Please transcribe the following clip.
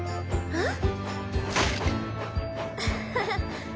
あっ！